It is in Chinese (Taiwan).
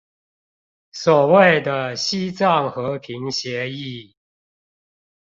所謂的西藏和平協議